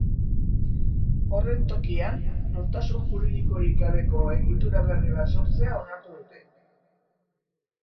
Horren tokian, nortasun juridikorik gabeko egitura berri bat sortzea onartu dute.